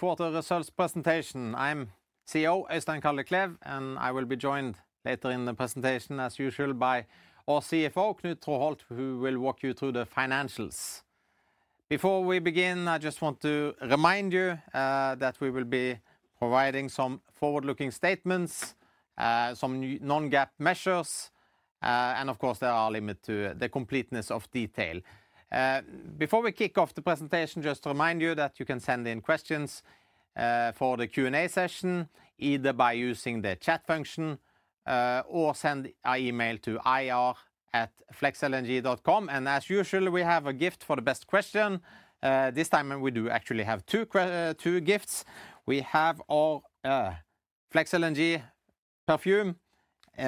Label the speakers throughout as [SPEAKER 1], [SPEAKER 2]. [SPEAKER 1] Quarter results presentation. I'm CEO Øystein Kalleklev, and I will be joined later in the presentation, as usual, by our CFO, Knut Traaholt, who will walk you through the financials. Before we begin, I just want to remind you that we will be providing some forward-looking statements, some non-GAAP measures, and of course, there are limits to the completeness of detail. Before we kick off the presentation, just to remind you that you can send in questions for the Q&A session, either by using the chat function or send an email to ir@flexlng.com, and as usual, we have a gift for the best question. This time, we do actually have two gifts. We have our FLEX LNG perfume.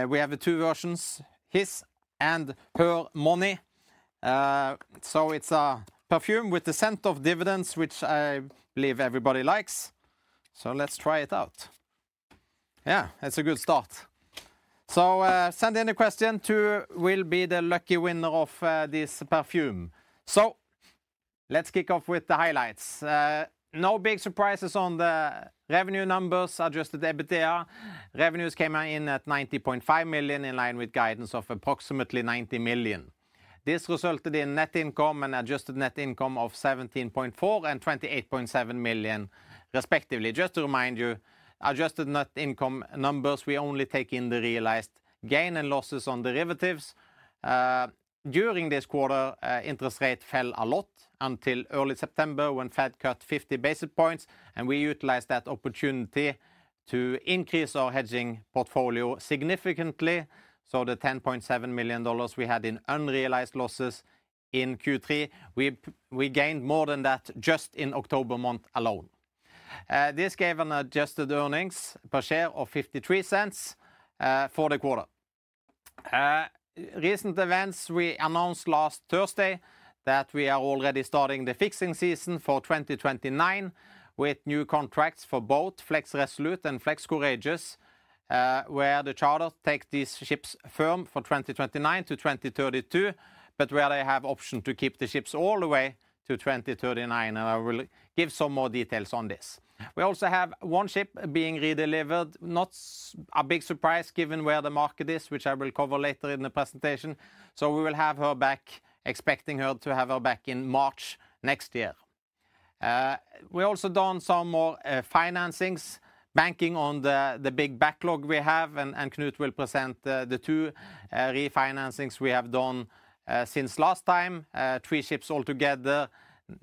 [SPEAKER 1] We have two versions, his and her money, so it's a perfume with the scent of dividends, which I believe everybody likes, so let's try it out. Yeah, that's a good start. So send in a question to will be the lucky winner of this perfume. So let's kick off with the highlights. No big surprises on the revenue numbers, Adjusted EBITDA. Revenues came in at $90.5 million, in line with guidance of approximately $90 million. This resulted in net income and adjusted net income of $17.4 million and $28.7 million, respectively. Just to remind you, adjusted net income numbers, we only take in the realized gain and losses on derivatives. During this quarter, interest rates fell a lot until early September when Fed cut 50 basis points, and we utilized that opportunity to increase our hedging portfolio significantly. So the $10.7 million we had in unrealized losses in Q3, we gained more than that just in October month alone. This gave an adjusted earnings per share of $0.53 for the quarter. Recent events. We announced last Thursday that we are already starting the fixing season for 2029 with new contracts for both Flex Resolute and Flex Courageous, where the charter takes these ships firm for 2029 to 2032, but where they have the option to keep the ships all the way to 2039, and I will give some more details on this. We also have one ship being redelivered, not a big surprise given where the market is, which I will cover later in the presentation, so we will have her back, expecting to have her back in March next year. We also done some more financings, banking on the big backlog we have, and Knut will present the two refinancings we have done since last time. Three ships altogether,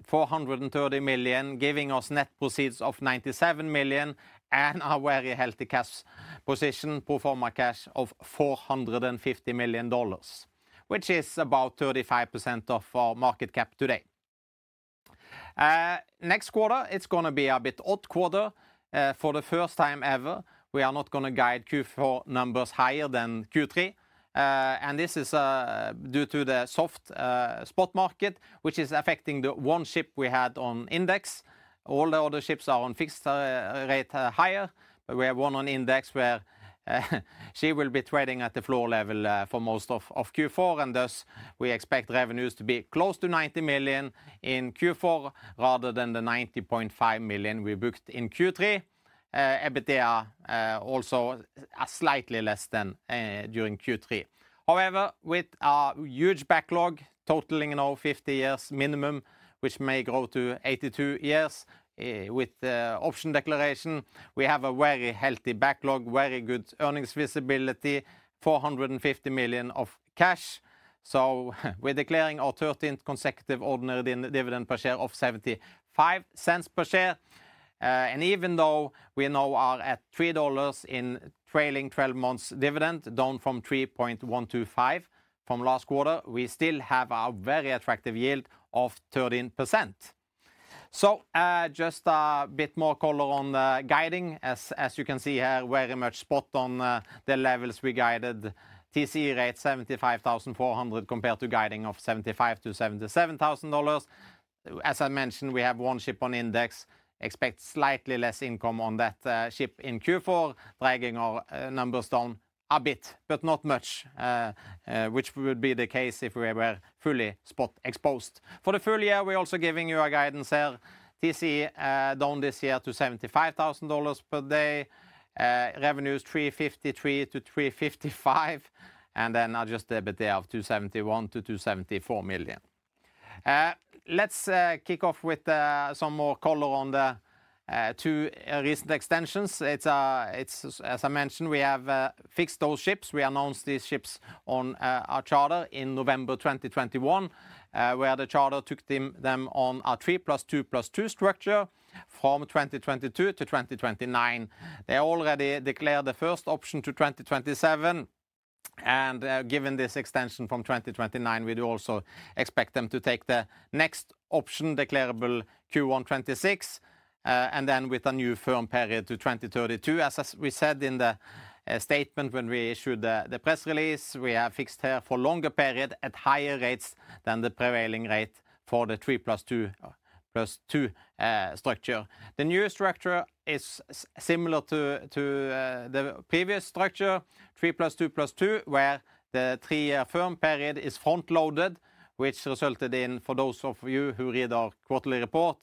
[SPEAKER 1] $430 million, giving us net proceeds of $97 million and a very healthy cash position, pro forma cash of $450 million, which is about 35% of our market cap today. Next quarter, it's going to be a bit odd quarter. For the first time ever, we are not going to guide Q4 numbers higher than Q3, and this is due to the soft spot market, which is affecting the one ship we had on index. All the other ships are on fixed rate higher, but we have one on index where she will be trading at the floor level for most of Q4, and thus, we expect revenues to be close to $90 million in Q4 rather than the $90.5 million we booked in Q3. EBITDA also slightly less than during Q3. However, with a huge backlog totaling now 50 years minimum, which may grow to 82 years with option declaration, we have a very healthy backlog, very good earnings visibility, $450 million of cash. So we're declaring our 13th consecutive ordinary dividend per share of $0.75 per share. And even though we now are at $3 in trailing 12 months dividend, down from $3.125 from last quarter, we still have a very attractive yield of 13%. So just a bit more color on the guiding, as you can see here, very much spot on the levels we guided, TCE rate $75,400 compared to guiding of $75,000-$77,000. As I mentioned, we have one ship on index, expect slightly less income on that ship in Q4, dragging our numbers down a bit, but not much, which would be the case if we were fully spot exposed. For the full year, we're also giving you a guidance here, TCE down this year to $75,000 per day, revenues $353-$355 million, and then Adjusted EBITDA of $271-$274 million. Let's kick off with some more color on the two recent extensions. As I mentioned, we have fixed those ships. We announced these ships on our charter in November 2021, where the charter took them on a 3 plus 2 plus 2 structure from 2022 to 2029. They already declared the first option to 2027. And given this extension from 2029, we do also expect them to take the next option declarable Q1 2026, and then with a new firm period to 2032. As we said in the statement when we issued the press release, we have fixed here for a longer period at higher rates than the prevailing rate for the 3 plus 2 plus 2 structure. The new structure is similar to the previous structure, 3 plus 2 plus 2, where the three-year firm period is front-loaded, which resulted in, for those of you who read our quarterly report,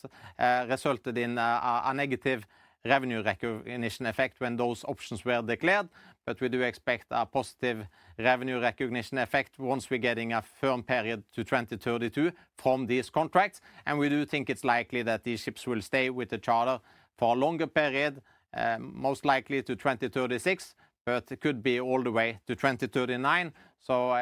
[SPEAKER 1] resulted in a negative revenue recognition effect when those options were declared, but we do expect a positive revenue recognition effect once we're getting a firm period to 2032 from these contracts, and we do think it's likely that these ships will stay with the charter for a longer period, most likely to 2036, but it could be all the way to 2039, so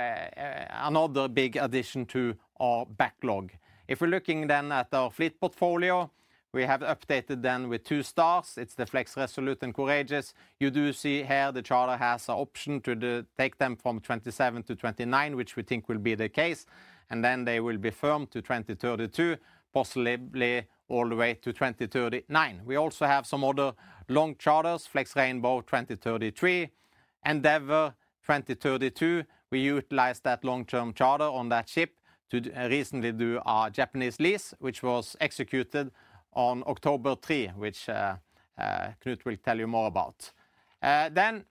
[SPEAKER 1] another big addition to our backlog. If we're looking then at our fleet portfolio, we have updated then with two stars. It's the Flex Resolute and Flex Courageous. You do see here the charter has an option to take them from 27 to 29, which we think will be the case. And then they will be firm to 2032, possibly all the way to 2039. We also have some other long charters, Flex Rainbow 2033, Flex Endeavor 2032. We utilized that long-term charter on that ship to recently do a Japanese lease, which was executed on October 3, which Knut will tell you more about. Then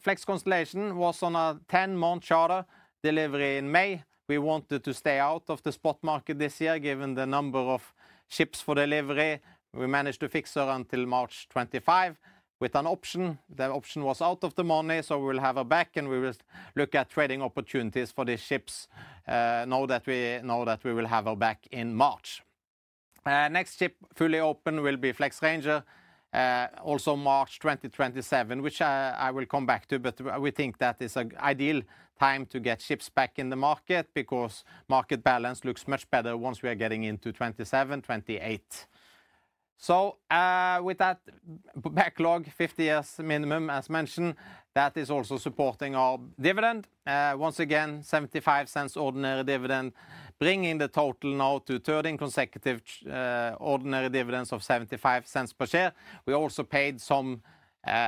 [SPEAKER 1] Flex Constellation was on a 10-month charter delivery in May. We wanted to stay out of the spot market this year given the number of ships for delivery. We managed to fix her until March 25 with an option. The option was out of the money, so we will have her back and we will look at trading opportunities for these ships now that we know that we will have her back in March. Next ship fully open will be Flex Ranger, also March 2027, which I will come back to, but we think that is an ideal time to get ships back in the market because market balance looks much better once we are getting into 27, 28. So with that backlog, 50 years minimum, as mentioned, that is also supporting our dividend. Once again, $0.75 ordinary dividend, bringing the total now to 13 consecutive ordinary dividends of $0.75 per share. We also paid some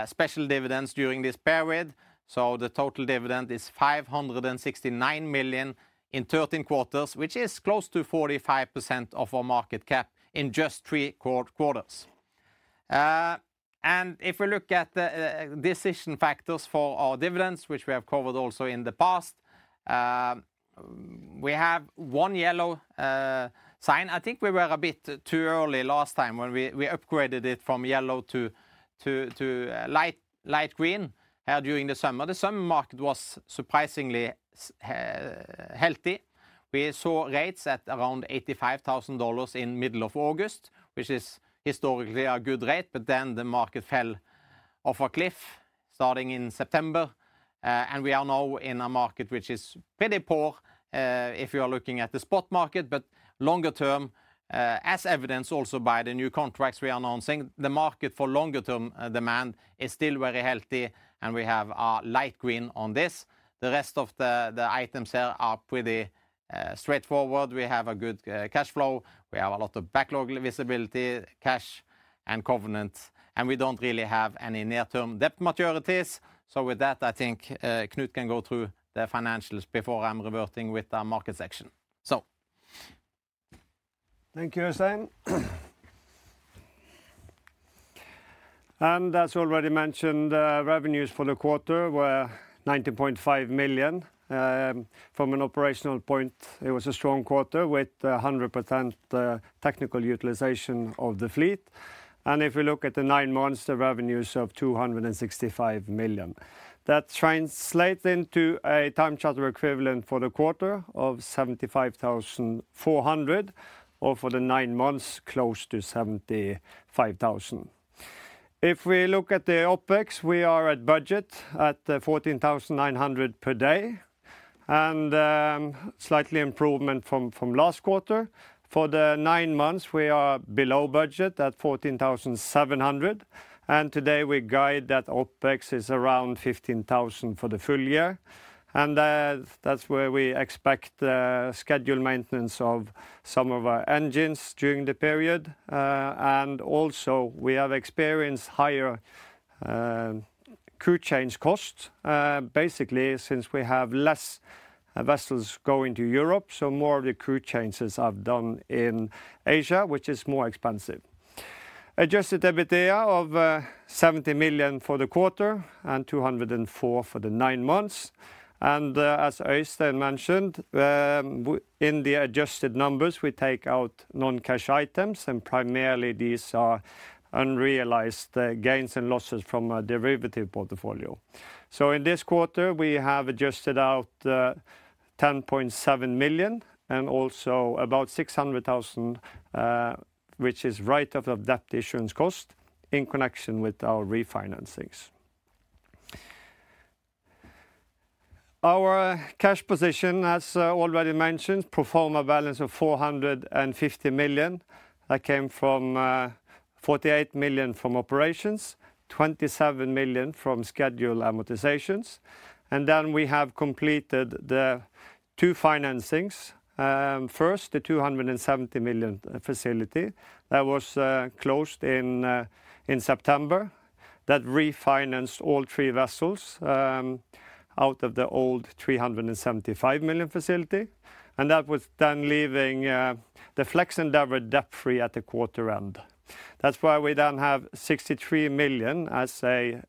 [SPEAKER 1] special dividends during this period. So the total dividend is $569 million in 13 quarters, which is close to 45% of our market cap in just three quarters. And if we look at the decision factors for our dividends, which we have covered also in the past, we have one yellow sign. I think we were a bit too early last time when we upgraded it from yellow to light green here during the summer. The summer market was surprisingly healthy. We saw rates at around $85,000 in the middle of August, which is historically a good rate, but then the market fell off a cliff starting in September, and we are now in a market which is pretty poor if you are looking at the spot market, but longer term, as evidenced also by the new contracts we are announcing, the market for longer-term demand is still very healthy and we have a light green on this. The rest of the items here are pretty straightforward. We have a good cash flow. We have a lot of backlog visibility, cash, and covenants, and we don't really have any near-term debt maturities. With that, I think Knut can go through the financials before I'm reverting with the market section.
[SPEAKER 2] Thank you, Øystein. And as already mentioned, revenues for the quarter were $19.5 million. From an operational point, it was a strong quarter with 100% technical utilization of the fleet. And if we look at the nine months, the revenues of $265 million. That translates into a time charter equivalent for the quarter of $75,400, or for the nine months, close to $75,000. If we look at the OpEx, we are at budget at $14,900 per day, and slightly improvement from last quarter. For the nine months, we are below budget at $14,700. And today, we guide that OpEx is around $15,000 for the full year. And that's where we expect scheduled maintenance of some of our engines during the period. And also, we have experienced higher crew change costs, basically since we have less vessels going to Europe. So more of the crew changes are done in Asia, which is more expensive. Adjusted EBITDA of $70 million for the quarter and $204 million for the nine months. And as Øystein mentioned, in the adjusted numbers, we take out non-cash items, and primarily these are unrealized gains and losses from a derivative portfolio. So in this quarter, we have adjusted out $10.7 million and also about $600,000, which is write-off of the debt issuance cost in connection with our refinancings. Our cash position, as already mentioned, pro forma balance of $450 million. That came from $48 million from operations, $27 million from scheduled amortizations. And then we have completed the two financings. First, the $270 million facility that was closed in September that refinanced all three vessels out of the old $375 million facility. And that was then leaving the Flex Endeavor debt-free at the quarter end. That's why we then have $63 million as a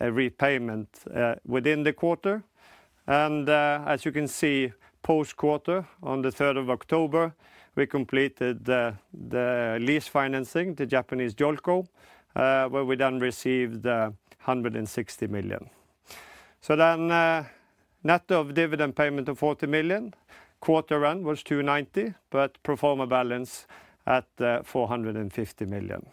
[SPEAKER 2] repayment within the quarter, and as you can see, post-quarter on the 3rd of October, we completed the lease financing, the Japanese JOLCO, where we then received $160 million, so then net of dividend payment of $40 million, quarter end was $290 million, but pro forma balance at $450 million.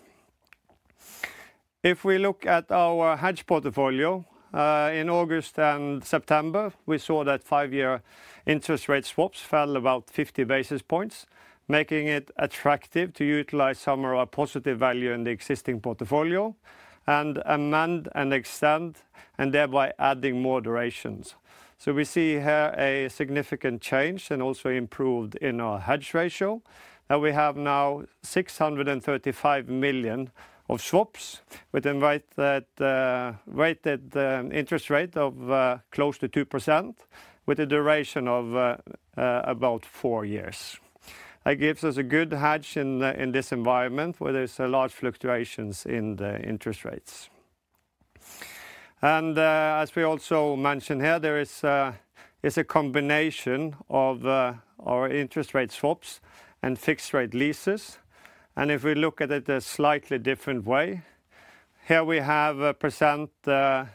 [SPEAKER 2] If we look at our hedge portfolio, in August and September, we saw that five-year interest rate swaps fell about 50 basis points, making it attractive to utilize some of our positive value in the existing portfolio and amend and extend, and thereby adding more durations, so we see here a significant change and also improved in our hedge ratio, and we have now $635 million of swaps with a rated interest rate of close to 2%, with a duration of about four years. That gives us a good hedge in this environment where there's a large fluctuations in the interest rates, and as we also mentioned here, there is a combination of our interest rate swaps and fixed-rate leases, and if we look at it a slightly different way, here we have 50% of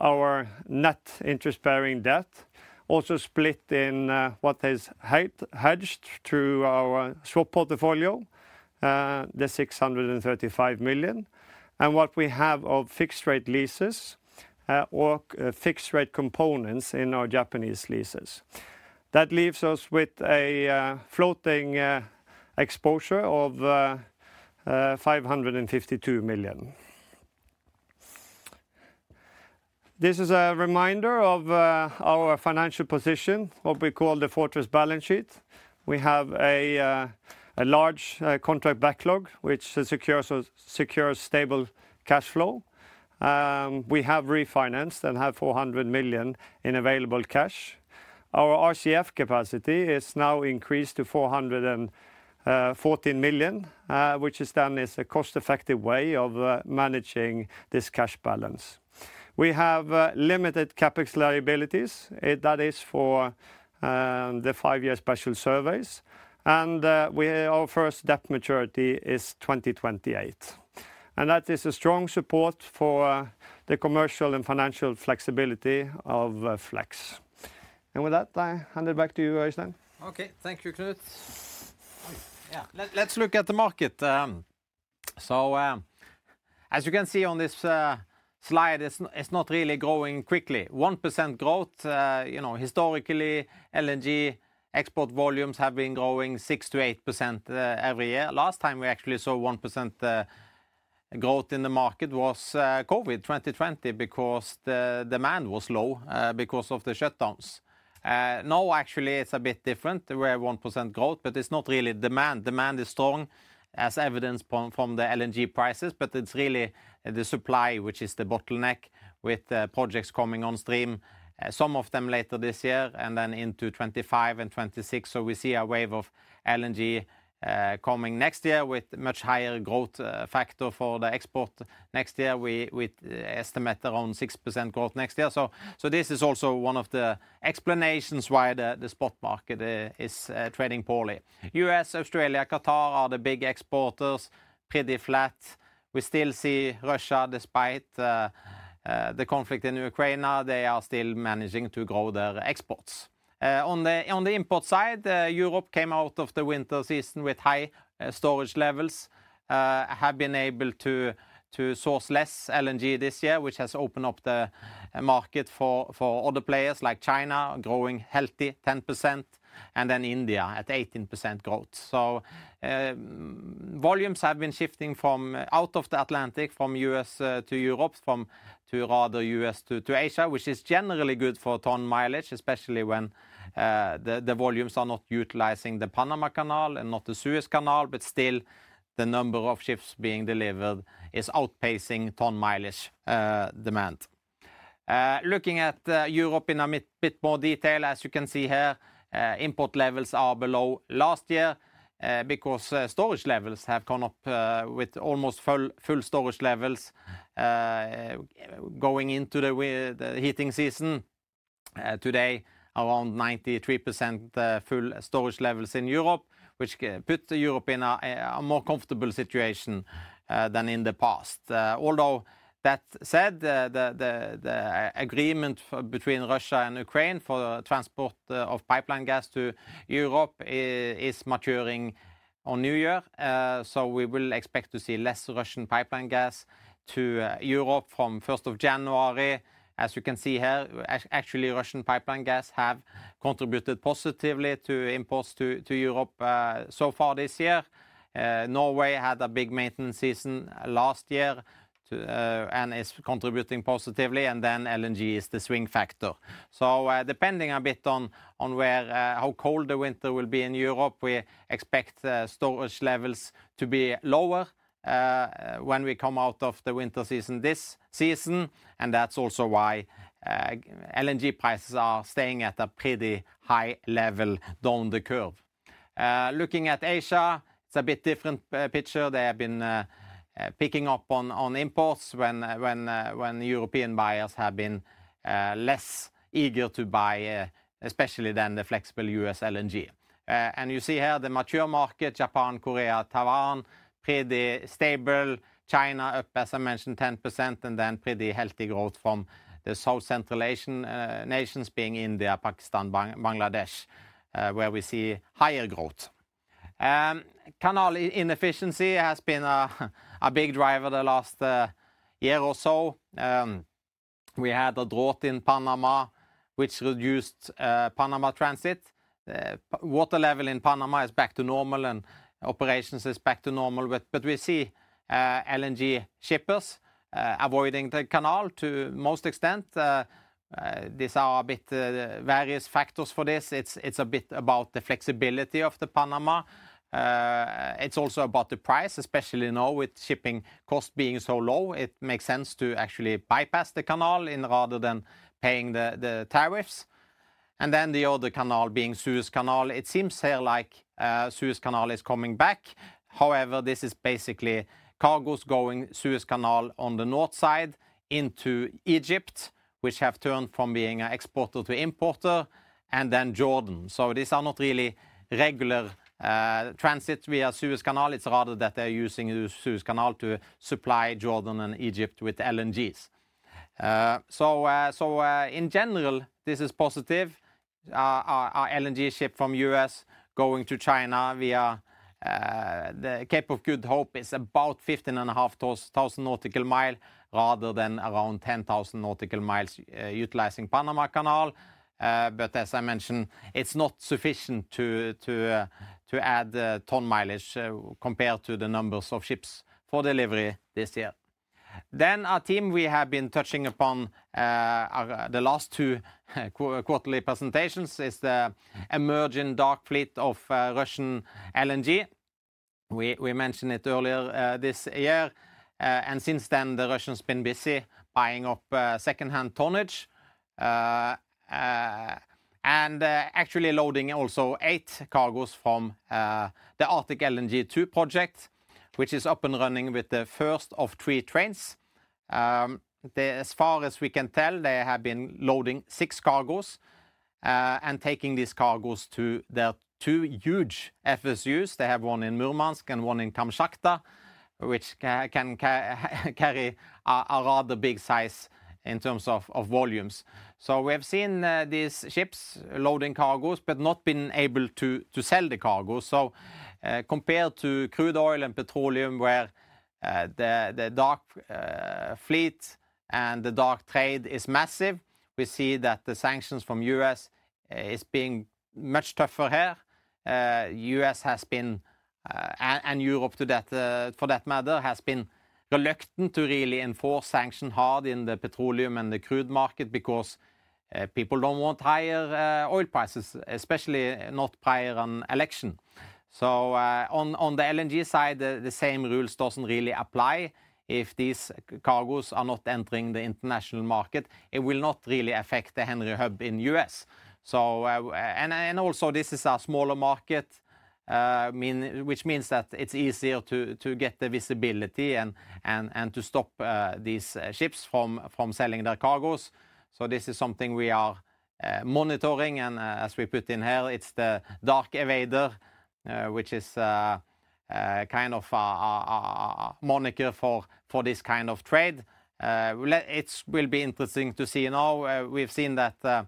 [SPEAKER 2] our net interest-bearing debt, also split in what is hedged to our swap portfolio, the $635 million, and what we have of fixed-rate leases or fixed-rate components in our Japanese leases. That leaves us with a floating exposure of $552 million. This is a reminder of our financial position, what we call the fortress balance sheet. We have a large contract backlog, which secures stable cash flow. We have refinanced and have $400 million in available cash. Our RCF capacity is now increased to $414 million, which is then a cost-effective way of managing this cash balance. We have limited CapEx liabilities. That is for the five-year special surveys. And our first debt maturity is 2028. And that is a strong support for the commercial and financial flexibility of FLEX. And with that, I hand it back to you, Øystein.
[SPEAKER 1] Okay, thank you, Knut. Yeah, let's look at the market. So as you can see on this slide, it's not really growing quickly. 1% growth, you know, historically, LNG export volumes have been growing 6-8% every year. Last time we actually saw 1% growth in the market was COVID, 2020, because the demand was low because of the shutdowns. Now, actually, it's a bit different. We have 1% growth, but it's not really demand. Demand is strong, as evidenced from the LNG prices, but it's really the supply, which is the bottleneck with projects coming on stream, some of them later this year and then into 2025 and 2026. So we see a wave of LNG coming next year with much higher growth factor for the export next year. We estimate around 6% growth next year. This is also one of the explanations why the spot market is trading poorly. U.S., Australia, Qatar are the big exporters, pretty flat. We still see Russia, despite the conflict in Ukraine, they are still managing to grow their exports. On the import side, Europe came out of the winter season with high storage levels. I have been able to source less LNG this year, which has opened up the market for other players like China, growing healthy 10%, and then India at 18% growth. Volumes have been shifting out of the Atlantic from U.S. to Europe, rather from U.S. to Asia, which is generally good for ton mileage, especially when the volumes are not utilizing the Panama Canal and not the Suez Canal, but still the number of ships being delivered is outpacing ton mileage demand. Looking at Europe in a bit more detail, as you can see here, import levels are below last year because storage levels have gone up with almost full storage levels going into the heating season. Today, around 93% full storage levels in Europe, which puts Europe in a more comfortable situation than in the past. Although that said, the agreement between Russia and Ukraine for transport of pipeline gas to Europe is maturing on New Year. So we will expect to see less Russian pipeline gas to Europe from 1st of January. As you can see here, actually, Russian pipeline gas has contributed positively to imports to Europe so far this year. Norway had a big maintenance season last year and is contributing positively. And then LNG is the swing factor. Depending a bit on how cold the winter will be in Europe, we expect storage levels to be lower when we come out of the winter season this season. That's also why LNG prices are staying at a pretty high level down the curve. Looking at Asia, it's a bit different picture. They have been picking up on imports when European buyers have been less eager to buy, especially then the flexible U.S. LNG. You see here the mature market, Japan, Korea, Taiwan, pretty stable. China, as I mentioned, 10%, and then pretty healthy growth from the South Central Asian nations being India, Pakistan, Bangladesh, where we see higher growth. Canal inefficiency has been a big driver the last year or so. We had a drought in Panama, which reduced Panama transit. Water level in Panama is back to normal, and operations is back to normal. But we see LNG shippers avoiding the canal to most extent. These are a bit various factors for this. It's a bit about the flexibility of the Panama. It's also about the price, especially now with shipping costs being so low. It makes sense to actually bypass the canal rather than paying the tariffs. And then the other canal being Suez Canal. It seems here like Suez Canal is coming back. However, this is basically cargoes going Suez Canal on the north side into Egypt, which have turned from being an exporter to importer, and then Jordan. So these are not really regular transit via Suez Canal. It's rather that they're using Suez Canal to supply Jordan and Egypt with LNGs. So in general, this is positive. LNG ship from U.S. going to China via the Cape of Good Hope is about 15,500 nautical miles rather than around 10,000 nautical miles utilizing Panama Canal, but as I mentioned, it's not sufficient to add ton mileage compared to the numbers of ships for delivery this year, then a theme we have been touching upon the last two quarterly presentations is the emerging dark fleet of Russian LNG. We mentioned it earlier this year, and since then, the Russians have been busy buying up second-hand tonnage and actually loading also eight cargoes from the Arctic LNG 2 project, which is up and running with the first of three trains. As far as we can tell, they have been loading six cargoes and taking these cargoes to their two huge FSUs. They have one in Murmansk and one in Kamchatka, which can carry a rather big size in terms of volumes. So we have seen these ships loading cargoes, but not been able to sell the cargoes. So compared to crude oil and petroleum, where the dark fleet and the dark trade is massive, we see that the sanctions from the U.S. are being much tougher here. The U.S. has been, and Europe for that matter, has been reluctant to really enforce sanctions hard in the petroleum and the crude market because people don't want higher oil prices, especially not prior to an election. So on the LNG side, the same rules doesn't really apply. If these cargoes are not entering the international market, it will not really affect the Henry Hub in the U.S. And also, this is a smaller market, which means that it's easier to get the visibility and to stop these ships from selling their cargoes. So this is something we are monitoring. As we put in here, it's the Dark Evader, which is kind of a moniker for this kind of trade. It will be interesting to see now. We've seen that the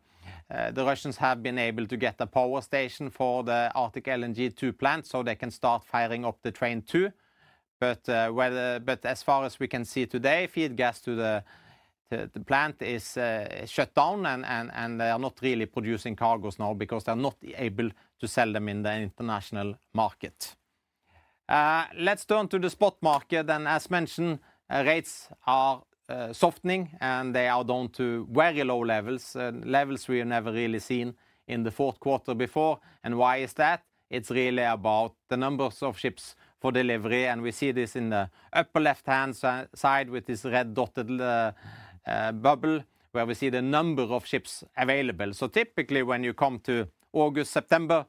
[SPEAKER 1] Russians have been able to get a power station for the Arctic LNG 2 plant, so they can start firing up the train too. But as far as we can see today, feed gas to the plant is shut down, and they are not really producing cargoes now because they're not able to sell them in the international market. Let's turn to the spot market. As mentioned, rates are softening, and they are down to very low levels, levels we have never really seen in the fourth quarter before. Why is that? It's really about the numbers of ships for delivery. We see this in the upper left-hand side with this red dotted bubble, where we see the number of ships available. So typically, when you come to August, September,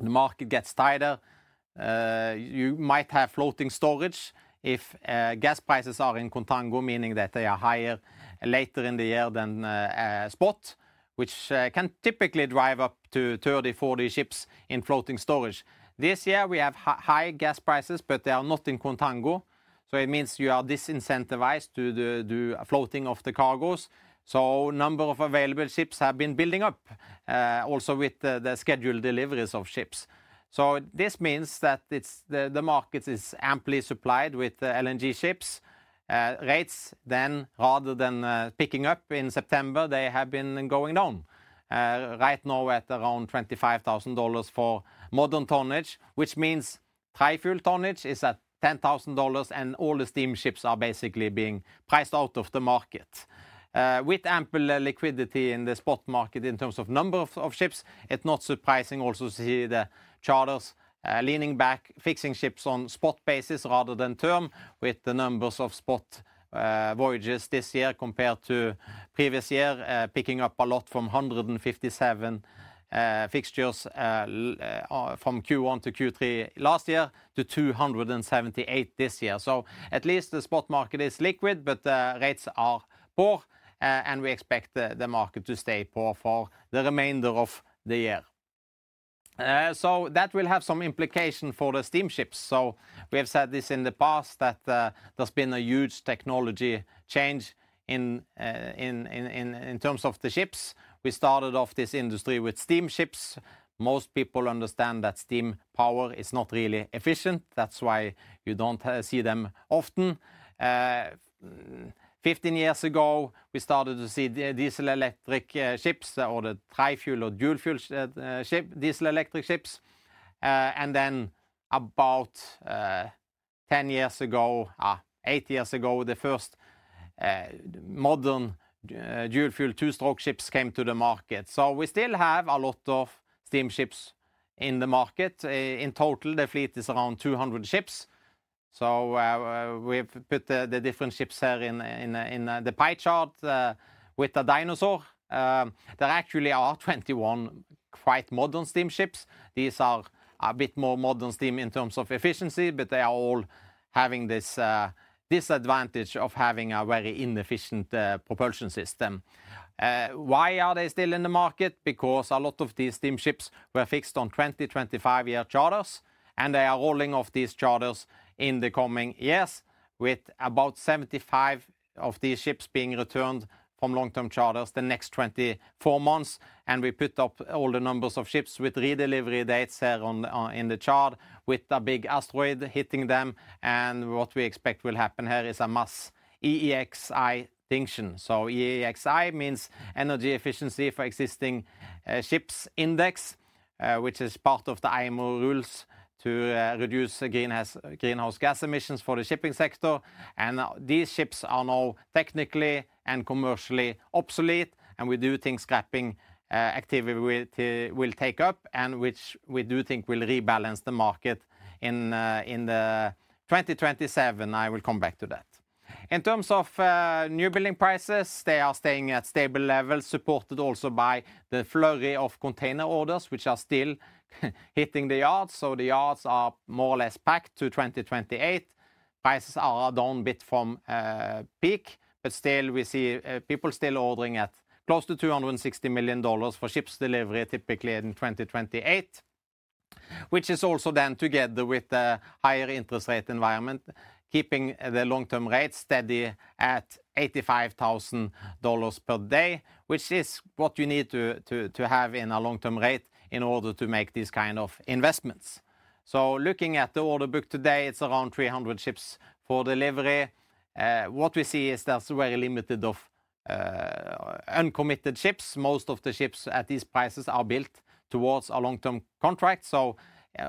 [SPEAKER 1] the market gets tighter. You might have floating storage if gas prices are in contango, meaning that they are higher later in the year than spot, which can typically drive up to 30-40 ships in floating storage. This year, we have high gas prices, but they are not in contango. So it means you are disincentivized to do floating of the cargoes. So the number of available ships has been building up, also with the scheduled deliveries of ships. So this means that the market is amply supplied with LNG ships. Rates then, rather than picking up in September, they have been going down. Right now, at around $25,000 for modern tonnage, which means tri-fuel tonnage is at $10,000, and all the steam ships are basically being priced out of the market. With ample liquidity in the spot market in terms of number of ships, it's not surprising also to see the charters leaning back, fixing ships on spot basis rather than term, with the numbers of spot voyages this year compared to previous year, picking up a lot from 157 fixtures from Q1 to Q3 last year to 278 this year, so at least the spot market is liquid, but rates are poor, and we expect the market to stay poor for the remainder of the year, so that will have some implications for the steam ships, so we have said this in the past that there's been a huge technology change in terms of the ships. We started off this industry with steam ships. Most people understand that steam power is not really efficient. That's why you don't see them often. Fifteen years ago, we started to see diesel electric ships or the tri-fuel or dual-fuel diesel electric ships. And then about ten years ago, eight years ago, the first modern dual-fuel two-stroke ships came to the market. So we still have a lot of steam ships in the market. In total, the fleet is around 200 ships. So we've put the different ships here in the pie chart with a dinosaur. There actually are 21 quite modern steam ships. These are a bit more modern steam in terms of efficiency, but they are all having this disadvantage of having a very inefficient propulsion system. Why are they still in the market? Because a lot of these steam ships were fixed on 2025 year charters, and they are rolling off these charters in the coming years, with about 75 of these ships being returned from long-term charters the next 24 months, and we put up all the numbers of ships with redelivery dates here in the chart, with a big asterisk hitting them, and what we expect will happen here is a mass EEXI extinction, so EEXI means Energy Efficiency for Existing Ships Index, which is part of the IMO rules to reduce greenhouse gas emissions for the shipping sector, and these ships are now technically and commercially obsolete, and we do think scrapping activity will pick up, and which we do think will rebalance the market in 2027. I will come back to that. In terms of new building prices, they are staying at stable levels, supported also by the flurry of container orders, which are still hitting the yards, so the yards are more or less packed to 2028. Prices are down a bit from peak, but still we see people still ordering at close to $260 million for ships delivery typically in 2028, which is also then together with the higher interest rate environment, keeping the long-term rate steady at $85,000 per day, which is what you need to have in a long-term rate in order to make these kind of investments, so looking at the order book today, it's around 300 ships for delivery. What we see is there's very limited of uncommitted ships. Most of the ships at these prices are built towards a long-term contract. So,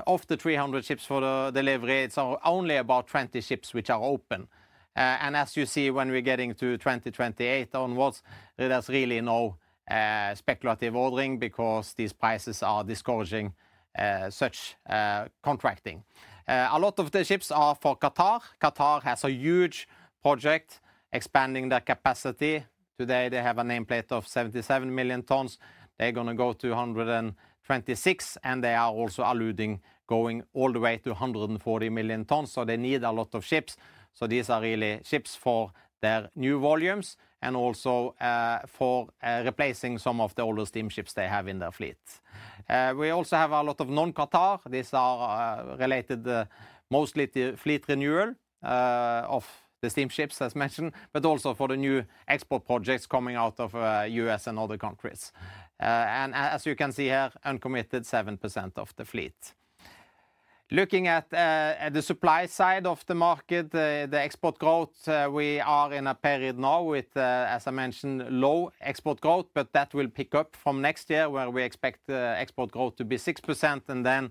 [SPEAKER 1] of the 300 ships for delivery, it's only about 20 ships which are open. And as you see, when we're getting to 2028 onwards, there's really no speculative ordering because these prices are discouraging such contracting. A lot of the ships are for Qatar. Qatar has a huge project expanding their capacity. Today, they have a nameplate of 77 million tons. They're going to go to 126, and they are also alluding to going all the way to 140 million tons. So they need a lot of ships. So these are really ships for their new volumes and also for replacing some of the older steam ships they have in their fleet. We also have a lot of non-Qatar. These are related mostly to fleet renewal of the steam ships, as mentioned, but also for the new export projects coming out of the U.S. and other countries. And as you can see here, uncommitted 7% of the fleet. Looking at the supply side of the market, the export growth, we are in a period now with, as I mentioned, low export growth, but that will pick up from next year, where we expect export growth to be 6% and then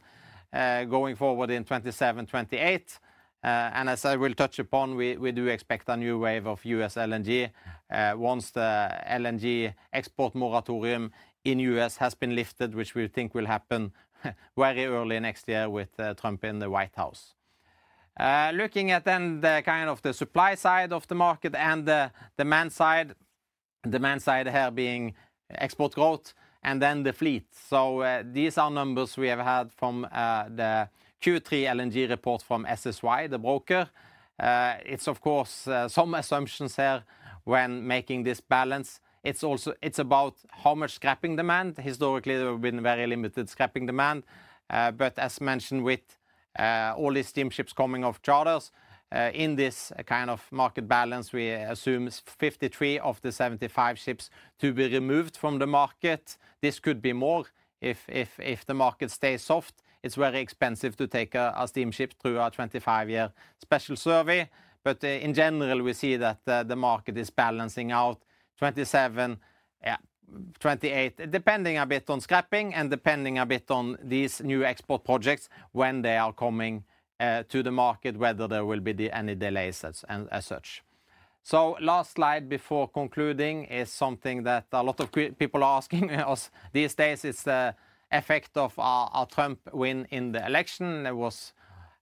[SPEAKER 1] going forward in 2027, 2028. And as I will touch upon, we do expect a new wave of U.S. LNG once the LNG export moratorium in the U.S. has been lifted, which we think will happen very early next year with Trump in the White House. Looking at then the kind of the supply side of the market and the demand side, demand side here being export growth and then the fleet. So these are numbers we have had from the Q3 LNG report from SSY, the broker. It's, of course, some assumptions here when making this balance. It's also about how much scrapping demand. Historically, there have been very limited scrapping demand. But as mentioned, with all these steam ships coming off charters, in this kind of market balance, we assume 53 of the 75 ships to be removed from the market. This could be more if the market stays soft. It's very expensive to take a steam ship through a 25-year special survey. But in general, we see that the market is balancing out 27, 28, depending a bit on scrapping and depending a bit on these new export projects when they are coming to the market, whether there will be any delays as such. So last slide before concluding is something that a lot of people are asking us these days. It's the effect of our Trump win in the election. There was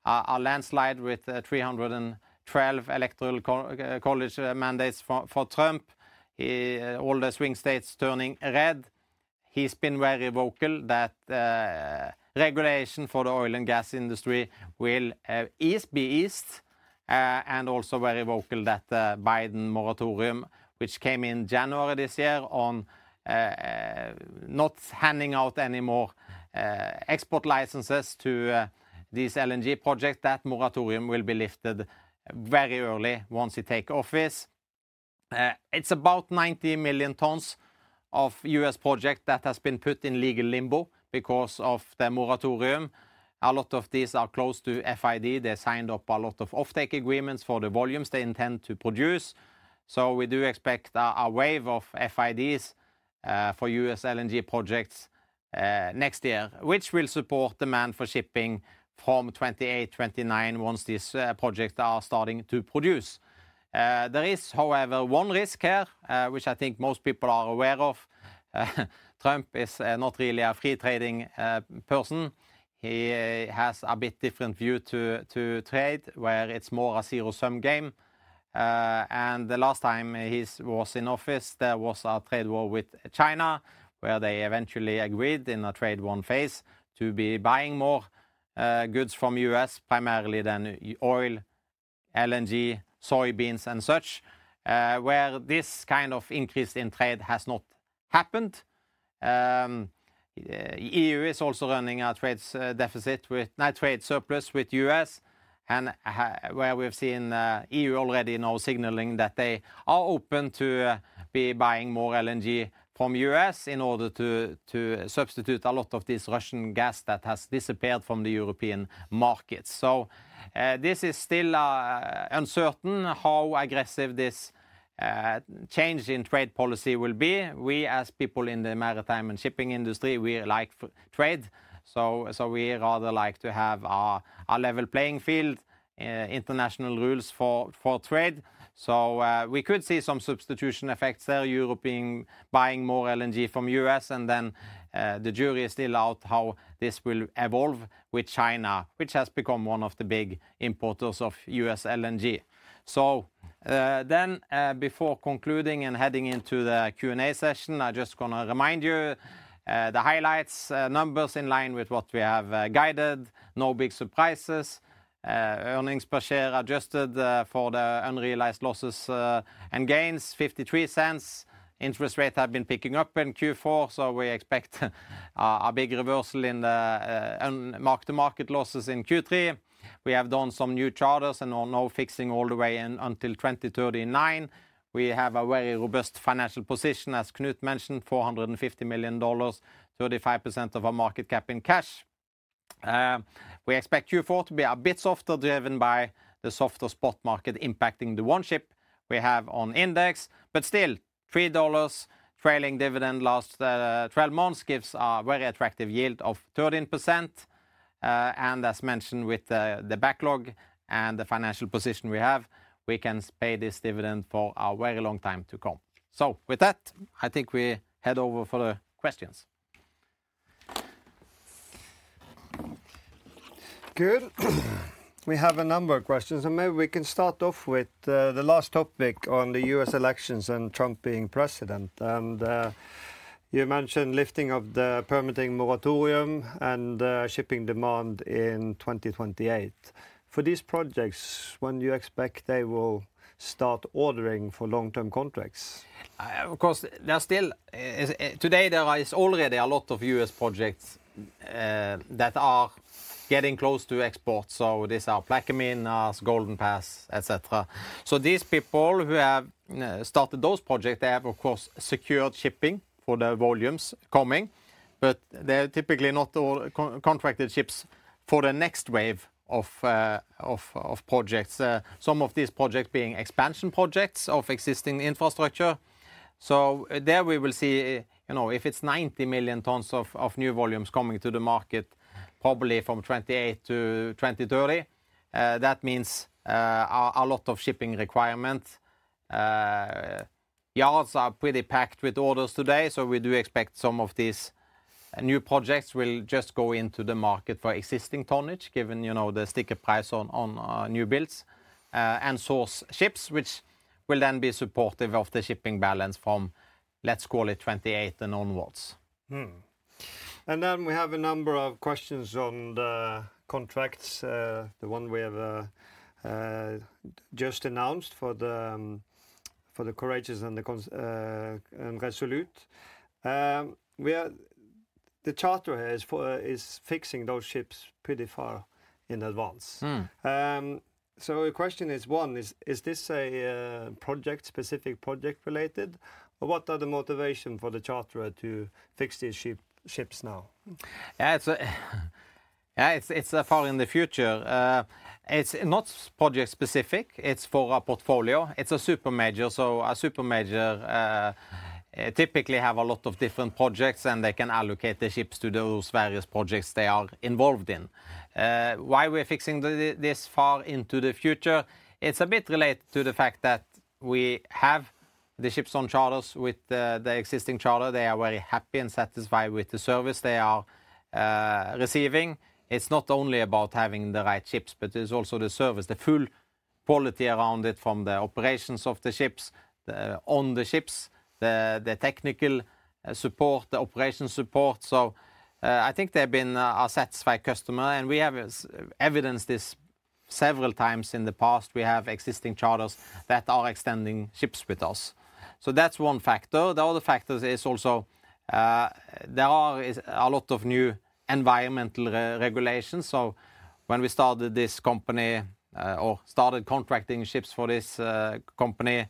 [SPEAKER 1] a landslide with 312 electoral college mandates for Trump. All the swing states turning red. He's been very vocal that regulation for the oil and gas industry will be eased and also very vocal that the Biden moratorium, which came in January this year on not handing out any more export licenses to these LNG projects, that moratorium will be lifted very early once he takes office. It's about 90 million tons of U.S. projects that have been put in legal limbo because of the moratorium. A lot of these are close to FID. They signed up a lot of offtake agreements for the volumes they intend to produce, so we do expect a wave of FIDs for U.S. LNG projects next year, which will support demand for shipping from 2028, 2029 once these projects are starting to produce. There is, however, one risk here, which I think most people are aware of. Trump is not really a free trading person. He has a bit different view to trade, where it's more a zero-sum game, and the last time he was in office, there was a trade war with China, where they eventually agreed in a trade war phase to be buying more goods from the U.S., primarily then oil, LNG, soybeans, and such, where this kind of increase in trade has not happened. The E.U. is also running a trade surplus with the U.S., and where we've seen the E.U. already now signaling that they are open to be buying more LNG from the U.S. in order to substitute a lot of this Russian gas that has disappeared from the European markets, so this is still uncertain how aggressive this change in trade policy will be. We, as people in the maritime and shipping industry, we like trade. So we rather like to have a level playing field, international rules for trade. So we could see some substitution effects there. Europe being buying more LNG from the U.S. And then the jury is still out on how this will evolve with China, which has become one of the big importers of U.S. LNG. So then before concluding and heading into the Q&A session, I'm just going to remind you the highlights, numbers in line with what we have guided. No big surprises. Earnings per share adjusted for the unrealized losses and gains, $0.53. Interest rates have been picking up in Q4. So we expect a big reversal in the mark-to-market losses in Q3. We have done some new charters and are now fixing all the way until 2039. We have a very robust financial position, as Knut mentioned, $450 million, 35% of our market cap in cash. We expect Q4 to be a bit softer, driven by the softer spot market impacting the one ship we have on index. But still, $3 trailing dividend last 12 months gives a very attractive yield of 13%. And as mentioned, with the backlog and the financial position we have, we can pay this dividend for a very long time to come. So with that, I think we head over for the questions. Good. We have a number of questions. And maybe we can start off with the last topic on the US elections and Trump being president. And you mentioned lifting of the permitting moratorium and shipping demand in 2028. For these projects, when do you expect they will start ordering for long-term contracts? Of course, there are still today, there is already a lot of U.S. projects that are getting close to export. So these are Plaquemines, Golden Pass, etc. So these people who have started those projects, they have, of course, secured shipping for the volumes coming. But they're typically not contracted ships for the next wave of projects, some of these projects being expansion projects of existing infrastructure. So there we will see, you know, if it's 90 million tons of new volumes coming to the market, probably from 2028 to 2030, that means a lot of shipping requirements. Yards are pretty packed with orders today. So we do expect some of these new projects will just go into the market for existing tonnage, given, you know, the sticker price on new builds and source ships, which will then be supportive of the shipping balance from, let's call it 28 and onwards. And then we have a number of questions on the contracts, the one we have just announced for the Courageous and the Resolute. The charter here is fixing those ships pretty far in advance. So the question is, one, is this a project-specific project related? What are the motivations for the charter to fix these ships now? Yeah, it's far in the future. It's not project-specific. It's for a portfolio. It's a super major. So a super major typically has a lot of different projects, and they can allocate the ships to those various projects they are involved in. Why are we fixing this far into the future? It's a bit related to the fact that we have the ships on charters with the existing charter. They are very happy and satisfied with the service they are receiving. It's not only about having the right ships, but it's also the service, the full quality around it from the operations of the ships, on the ships, the technical support, the operation support. So I think they have been a satisfied customer, and we have evidenced this several times in the past. We have existing charters that are extending ships with us. So that's one factor. The other factor is that there are a lot of new environmental regulations. So when we started this company or started contracting ships for this company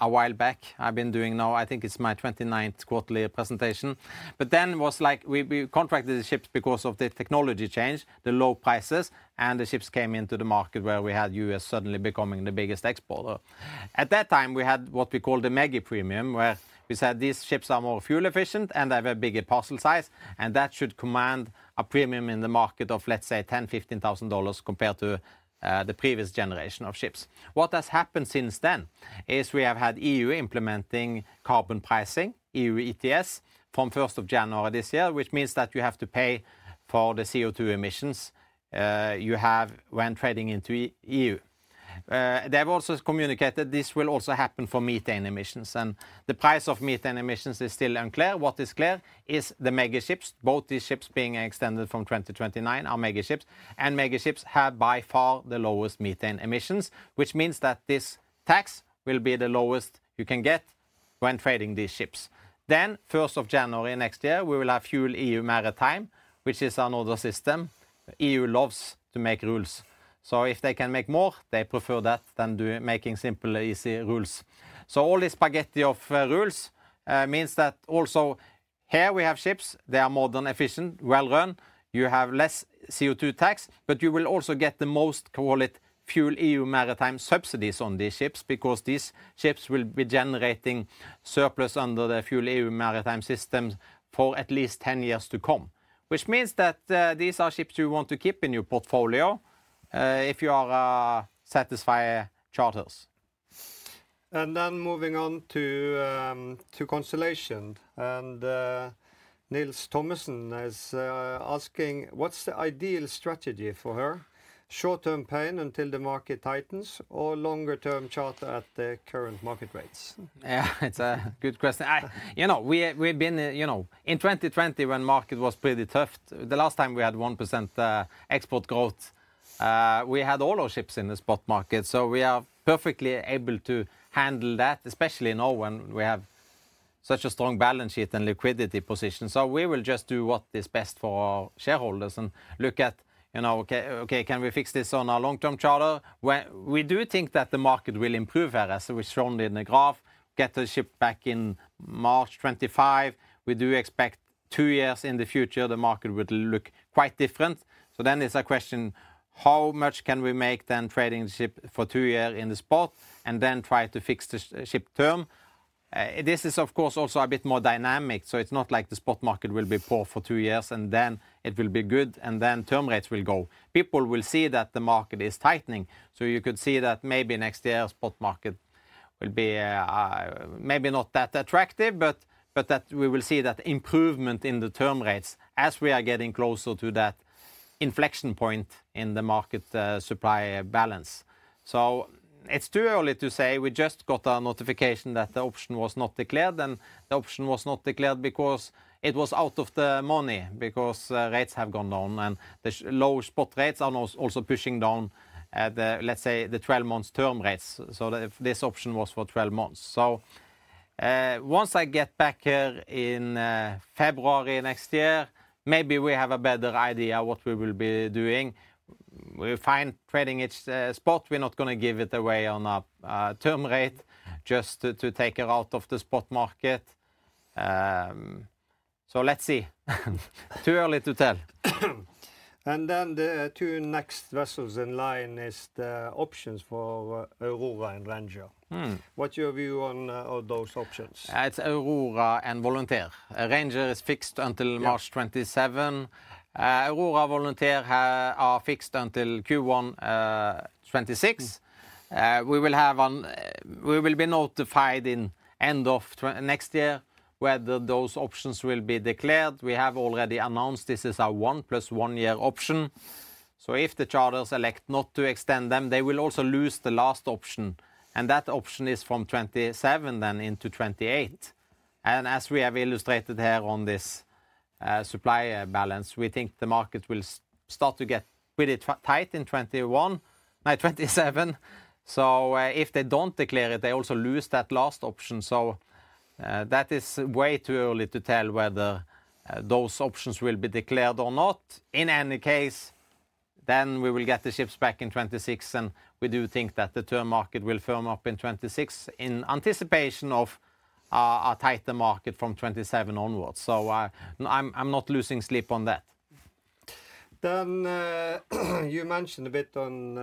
[SPEAKER 1] a while back, I've been doing now, I think it's my 29th quarterly presentation. But then it was like we contracted the ships because of the technology change, the low prices, and the ships came into the market where we had U.S. suddenly becoming the biggest exporter. At that time, we had what we called the ME-GI premium, where we said these ships are more fuel efficient and have a bigger parcel size, and that should command a premium in the market of, let's say, $10,000-$15,000 compared to the previous generation of ships. What has happened since then is we have had EU implementing carbon pricing, EU ETS, from 1st of January this year, which means that you have to pay for the CO2 emissions you have when trading into EU. They've also communicated this will also happen for methane emissions. And the price of methane emissions is still unclear. What is clear is the mega ships, both these ships being extended from 2029 are mega ships, and mega ships have by far the lowest methane emissions, which means that this tax will be the lowest you can get when trading these ships. Then, 1st of January next year, we will have FuelEU Maritime, which is another system. EU loves to make rules. So if they can make more, they prefer that than making simple, easy rules. So all this spaghetti of rules means that also here we have ships. They are modern, efficient, well-run. You have less CO2 tax, but you will also get the most, call it FuelEU Maritime subsidies on these ships because these ships will be generating surplus under the FuelEU Maritime system for at least 10 years to come, which means that these are ships you want to keep in your portfolio if you are satisfied charters.
[SPEAKER 2] And then moving on to Constellation. And Nils Thomasson is asking, what's the ideal strategy for her? Short-term pain until the market tightens or longer-term charter at the current market rates?
[SPEAKER 1] Yeah, it's a good question. You know, we've been, you know, in 2020 when the market was pretty tough. The last time we had 1% export growth, we had all our ships in the spot market. So we are perfectly able to handle that, especially now when we have such a strong balance sheet and liquidity position. So we will just do what is best for our shareholders and look at, you know, okay, can we fix this on our long-term charter? We do think that the market will improve here, as we've shown in the graph. Get the ship back in March 2025. We do expect two years in the future, the market would look quite different. So then it's a question, how much can we make then trading the ship for two years in the spot and then try to fix the ship term? This is, of course, also a bit more dynamic. So it's not like the spot market will be poor for two years and then it will be good and then term rates will go. People will see that the market is tightening. You could see that maybe next year spot market will be maybe not that attractive, but that we will see that improvement in the term rates as we are getting closer to that inflection point in the market supply balance. So it's too early to say. We just got a notification that the option was not declared. And the option was not declared because it was out of the money, because rates have gone down and the low spot rates are also pushing down, let's say, the 12-month term rates. So this option was for 12 months. So once I get back here in February next year, maybe we have a better idea of what we will be doing. We find trading each spot. We're not going to give it away on a term rate just to take her out of the spot market. So let's see.
[SPEAKER 2] Too early to tell. And then the two next vessels in line is the options for Aurora and Ranger. What's your view on those options? It's Aurora and Volunteer. Ranger is fixed until March 2027. Aurora and Volunteer are fixed until Q1 2026. We will be notified in end of next year whether those options will be declared. We have already announced this is a one plus one year option. So if the charters elect not to extend them, they will also lose the last option. And that option is from 2027 then into 2028. And as we have illustrated here on this supply balance, we think the market will start to get pretty tight in 2021, no, 2027. So if they don't declare it, they also lose that last option. So that is way too early to tell whether those options will be declared or not. In any case, then we will get the ships back in 2026. And we do think that the term market will firm up in 2026 in anticipation of a tighter market from 2027 onwards. So I'm not losing sleep on that. Then you mentioned a bit on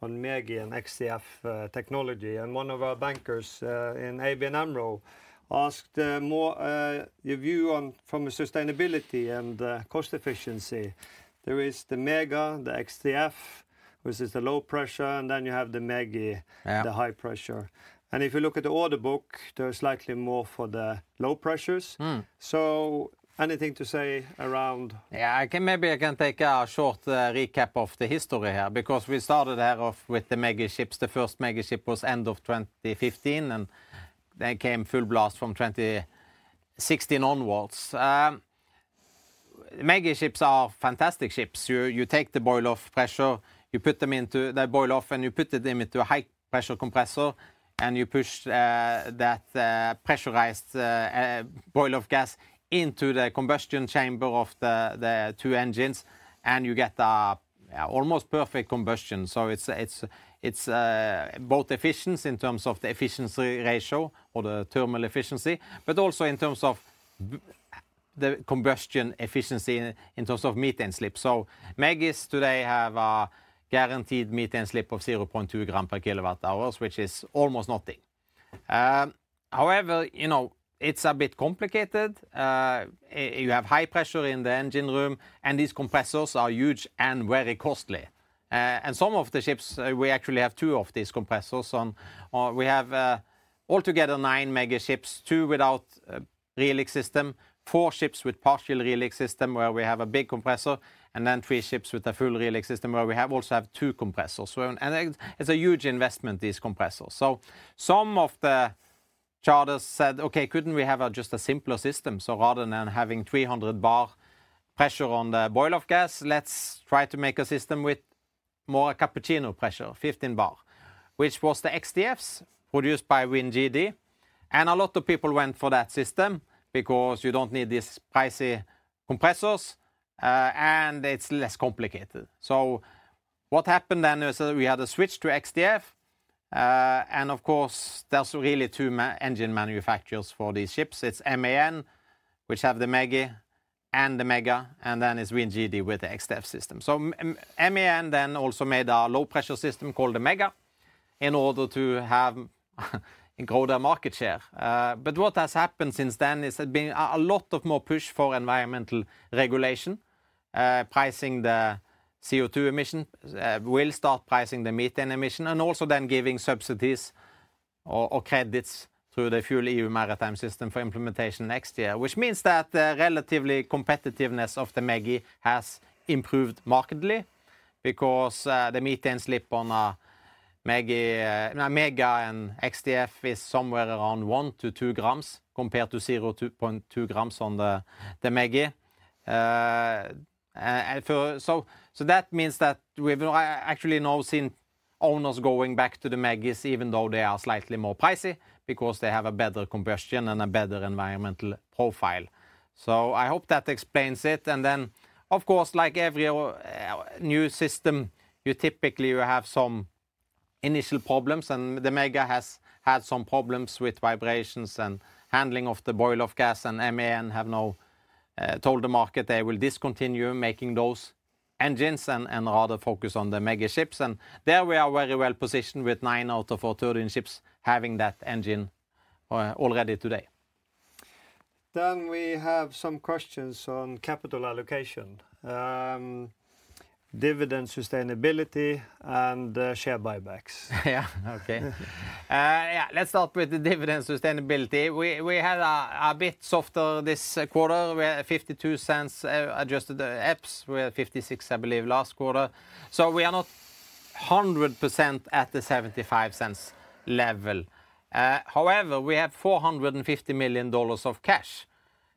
[SPEAKER 2] MAGI and XDF technology. And one of our bankers in ABN AMRO asked your view on from a sustainability and cost efficiency. There is the Mega, the XDF, which is the low pressure. And then you have the MAGI, the high pressure. And if you look at the order book, there is slightly more for the low pressures. So anything to say around?
[SPEAKER 1] Yeah, I can maybe take a short recap of the history here because we started here off with the MAGI ships, the first MAGI ship was end of 2015 and then came full blast from 2016 onwards. MAGI ships are fantastic ships. You take the boil-off pressure, you put them into the boil-off and you put them into a high pressure compressor and you push that pressurized boil-off gas into the combustion chamber of the two engines and you get almost perfect combustion. It's both efficiency in terms of the efficiency ratio or the thermal efficiency, but also in terms of the combustion efficiency in terms of methane slip. MAGIs today have a guaranteed methane slip of 0.2 gram per kilowatt hours, which is almost nothing. However, you know, it's a bit complicated. You have high pressure in the engine room and these compressors are huge and very costly. Some of the ships, we actually have two of these compressors. We have altogether nine MAGI ships, two without re-liquefaction system, four ships with partial re-liquefaction system where we have a big compressor and then three ships with a full re-liquefaction system where we also have two compressors. It's a huge investment, these compressors. Some of the charters said, okay, couldn't we have just a simpler system? Rather than having 300 bar pressure on the boil-off gas, let's try to make a system with lower pressure, 15 bar, which was the X-DFs produced by WinGD. A lot of people went for that system because you don't need these pricey compressors and it's less complicated. What happened then is we had a switch to X-DF. And of course, there's really two engine manufacturers for these ships. It's MAN, which have the MAGI and the Mega, and then it's WinGD with the X-DF system. So MAN then also made a low pressure system called the Mega in order to have grow their market share. But what has happened since then is there's been a lot of more push for environmental regulation, pricing the CO2 emission, will start pricing the methane emission, and also then giving subsidies or credits through the FuelEU Maritime system for implementation next year, which means that the relatively competitiveness of the MAGI has improved markedly because the methane slip on MAGI and X-DF is somewhere around 1-2 grams compared to 0.2 grams on the MAGI. So that means that we've actually now seen owners going back to the MAGIs, even though they are slightly more pricey because they have a better combustion and a better environmental profile. So I hope that explains it. And then, of course, like every new system, you typically have some initial problems. And the Mega has had some problems with vibrations and handling of the boil-off gas. And MAN have now told the market they will discontinue making those engines and rather focus on the Mega ships. And there we are very well positioned with nine out of our 13 ships having that engine already today. Then we have some questions on capital allocation, dividend sustainability, and share buybacks. Yeah, okay. Yeah, let's start with the dividend sustainability. We had a bit softer this quarter. We had $0.52 adjusted EPS. We had $0.56, I believe, last quarter. So we are not 100% at the $0.75 level. However, we have $450 million of cash.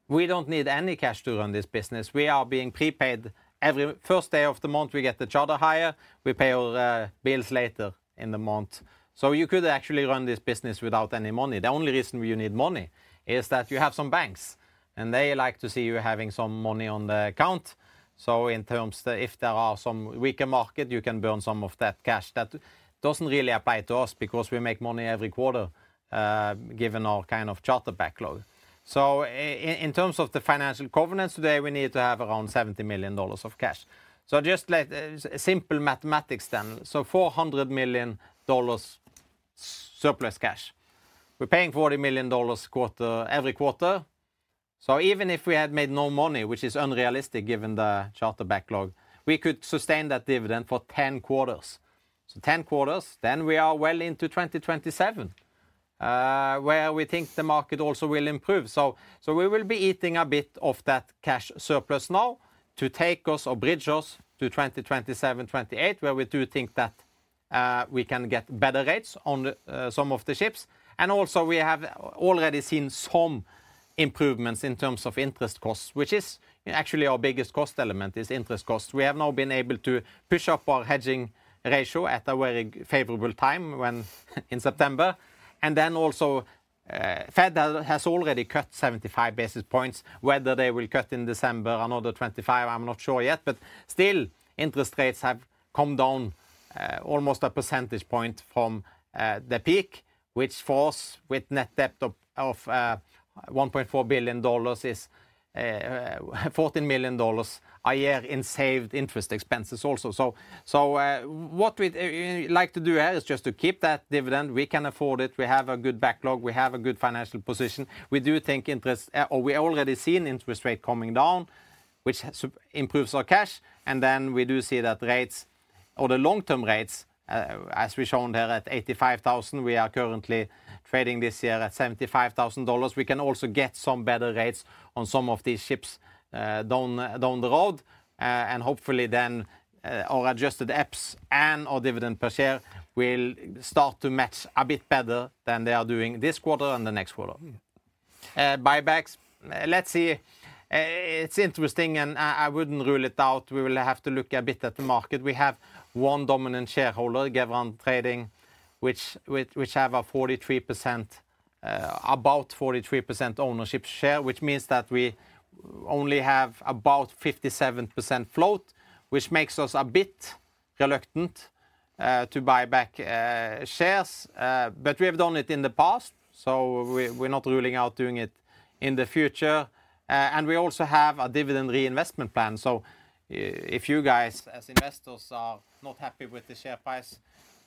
[SPEAKER 1] We don't need any cash to run this business. We are being prepaid every first day of the month. We get the charter hire. We pay our bills later in the month. So you could actually run this business without any money. The only reason you need money is that you have some banks and they like to see you having some money on the account. So in terms of if there are some weaker market, you can burn some of that cash. That doesn't really apply to us because we make money every quarter given our kind of charter backlog. So in terms of the financial covenants today, we need to have around $70 million of cash. So just like simple mathematics then. So $400 million surplus cash. We're paying $40 million every quarter, so even if we had made no money, which is unrealistic given the charter backlog, we could sustain that dividend for 10 quarters, so 10 quarters, then we are well into 2027 where we think the market also will improve, so we will be eating a bit of that cash surplus now to take us or bridge us to 2027, 2028, where we do think that we can get better rates on some of the ships, and also we have already seen some improvements in terms of interest costs, which is actually our biggest cost element, interest costs. We have now been able to push up our hedging ratio at a very favorable time, when in September, and then also Fed has already cut 75 basis points. Whether they will cut in December another 25, I'm not sure yet. But still, interest rates have come down almost a percentage point from the peak, which for us with net debt of $1.4 billion is $14 million a year in saved interest expenses also. So what we like to do here is just to keep that dividend. We can afford it. We have a good backlog. We have a good financial position. We do think interest, or we already seen interest rate coming down, which improves our cash. And then we do see that rates or the long-term rates, as we shown here at 85,000, we are currently trading this year at $75,000. We can also get some better rates on some of these ships down the road. And hopefully then our adjusted EPS and our dividend per share will start to match a bit better than they are doing this quarter and the next quarter. Buybacks, let's see. It's interesting and I wouldn't rule it out. We will have to look a bit at the market. We have one dominant shareholder, Geveran Trading, which have a 43%, about 43% ownership share, which means that we only have about 57% float, which makes us a bit reluctant to buy back shares. But we have done it in the past. So we're not ruling out doing it in the future. And we also have a Dividend Reinvestment Plan. So if you guys as investors are not happy with the share price,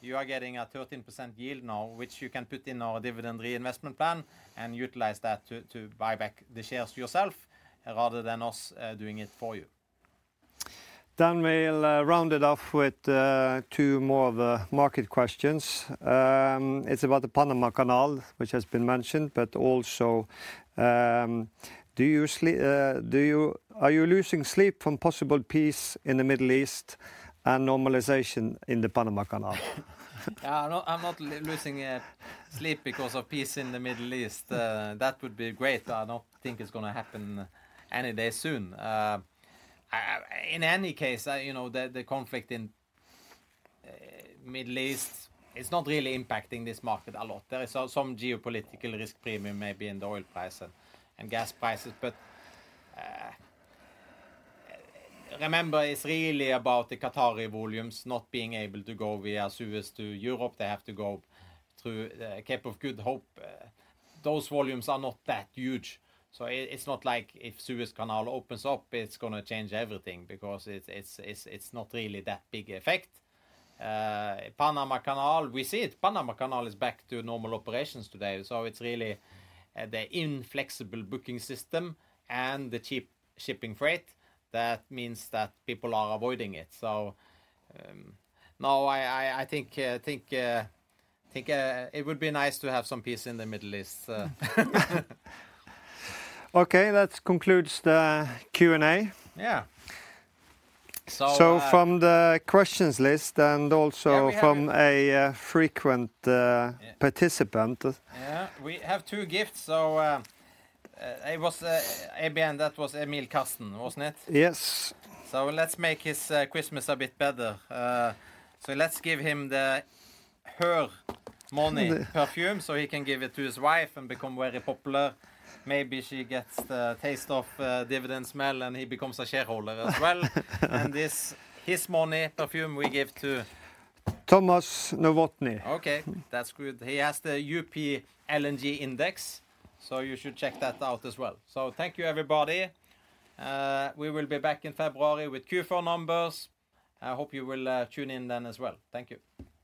[SPEAKER 1] you are getting a 13% yield now, which you can put in our Dividend rein vestment plan and utilize that to buy back the shares yourself rather than us doing it for you. Then we'll round it off with two more of the market questions. It's about the Panama Canal, which has been mentioned, but also, are you losing sleep from possible peace in the Middle East and normalization in the Panama Canal? Yeah, I'm not losing sleep because of peace in the Middle East. That would be great. I don't think it's going to happen any day soon. In any case, you know the conflict in the Middle East is not really impacting this market a lot. There is some geopolitical risk premium maybe in the oil price and gas prices. But remember, it's really about the Qatari volumes not being able to go via Suez to Europe. They have to go through Cape of Good Hope. Those volumes are not that huge. So it's not like if Suez Canal opens up, it's going to change everything because it's not really that big effect. Panama Canal, we see it. Panama Canal is back to normal operations today. So it's really the inflexible booking system and the cheap shipping freight. That means that people are avoiding it. So now I think it would be nice to have some peace in the Middle East.
[SPEAKER 2] Okay, that concludes the Q&A. Yeah. So from the questions list and also from a frequent participant. Yeah, we have two gifts. So it was ABN, that was Emil Karsten, wasn't it?
[SPEAKER 1] Yes.
[SPEAKER 2] So let's make his Christmas a bit better. So let's give him the Her Money perfume so he can give it to his wife and become very popular. Maybe she gets the taste of dividend smell and he becomes a shareholder as well. And this is His Money perfume we give to Thomas Novotny.
[SPEAKER 1] Okay, that's good. He has the UP LNG Index. So you should check that out as well. Thank you, everybody. We will be back in February with Q4 numbers. I hope you will tune in then as well. Thank you.